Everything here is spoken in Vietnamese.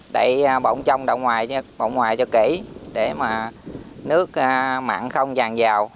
đậy bỗng trong đậu ngoài cho kỹ để mà nước mặn không dàn dào